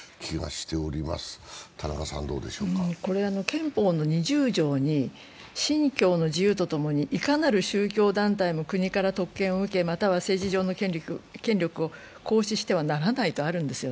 憲法の２０条に信教の自由とともにいかなる宗教団体も国から特権を受けまたは政治上の権力を行使してはならないとあるんです。